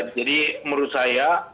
jadi menurut saya